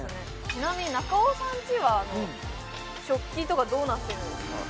ちなみに中尾さんちは食器とかどうなってるんですか？